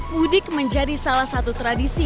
mudik menjadi salah satu tradisi